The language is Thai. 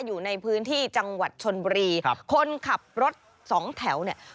อยู่ในพื้นที่จังหวัดชนบุรีครับคนขับรถสองแถวเนี่ย